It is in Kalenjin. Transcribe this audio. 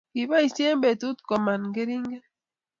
kiboisie betut koman keringet